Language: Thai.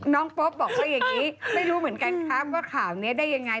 โป๊ปบอกว่าอย่างนี้ไม่รู้เหมือนกันครับว่าข่าวนี้ได้ยังไง